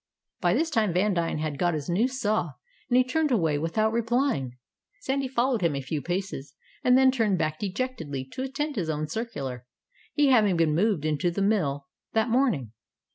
By this time Vandine had got his new saw, and he turned away without replying. Sandy followed him a few paces, and then turned back dejectedly to attend his own circular he having been moved into the mill that morning.